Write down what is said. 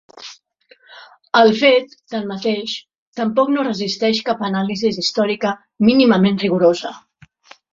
El fet, tanmateix, tampoc no resisteix cap anàlisi històrica mínimament rigorosa.